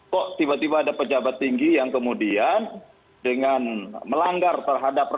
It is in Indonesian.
kok tiba tiba ada pejabat tinggi yang kemudian dengan melanggar terhadap